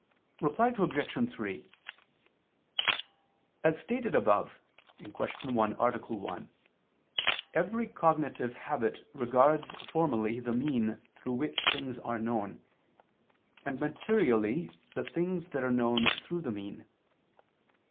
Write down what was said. Reply Obj. 3: As stated above (Q. 1, A. 1), every cognitive habit regards formally the mean through which things are known, and materially, the things that are known through the mean.